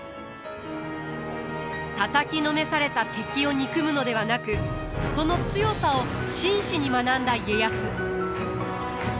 たたきのめされた敵を憎むのではなくその強さを真摯に学んだ家康。